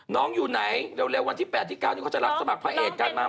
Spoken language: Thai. อยู่ไหนเร็ววันที่๘ที่๙นี้เขาจะรับสมัครพระเอกกันมา